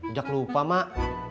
ojak lupa mak